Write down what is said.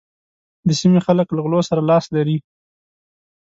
د سيمې خلک له غلو سره لاس لري.